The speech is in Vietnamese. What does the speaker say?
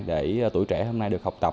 để tuổi trẻ hôm nay được học tập